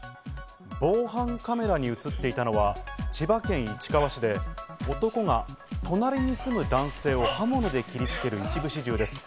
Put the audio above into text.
防犯カメラに映っていたのは、千葉県市川市で男は隣に住む男性を刃物で切りつける一部始終です。